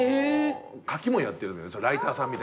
書きもんやってるのライターさんみたいな。